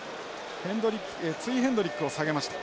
ヘンドリックツイヘンドリックを下げました。